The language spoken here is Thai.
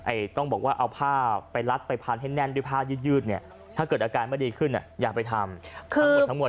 เอาผ้าไปลัดไปพันให้แน่นด้วยผ้ายืดถ้าเกิดอาการไม่ดีขึ้นอย่าไปทำ